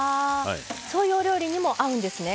そういうお料理にも合うんですね。